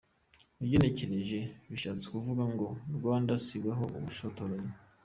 Ugenekereje bishatse kuvuga ngo, “Rwanda, sigaho ubushotoranyi”.